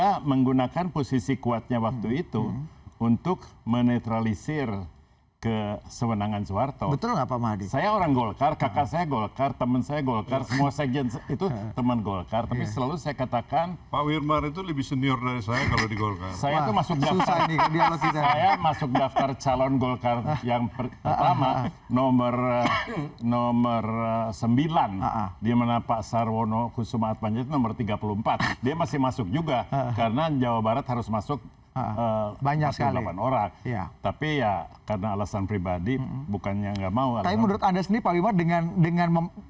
kenapa waktu itu banyak tentangan